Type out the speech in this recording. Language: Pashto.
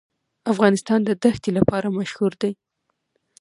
افغانستان د دښتې لپاره مشهور دی.